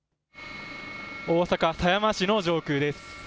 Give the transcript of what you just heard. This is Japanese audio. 大阪狭山市の上空です。